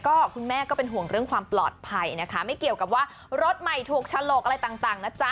ก็คุณแม่ก็เป็นห่วงเรื่องความปลอดภัยนะคะไม่เกี่ยวกับว่ารถใหม่ถูกฉลกอะไรต่างนะจ๊ะ